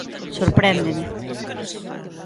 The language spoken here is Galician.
Sorpréndeme.